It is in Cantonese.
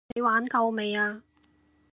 你玩夠未啊？